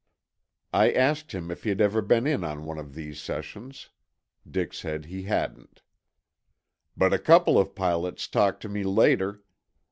I asked him if he had ever been in on one of thee sessions. Dick said he hadn't. "But a couple of pilots talked to me later.